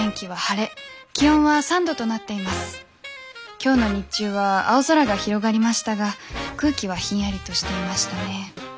今日の日中は青空が広がりましたが空気はひんやりとしていましたね。